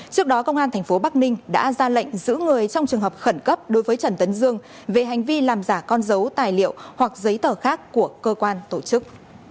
trước đó công an tp bắc ninh đã ra lệnh giữ người trong trường hợp khẩn cấp đối với trần tấn dương về hành vi làm giả con dấu tài liệu hoặc giấy tờ khác của cơ quan tổ chức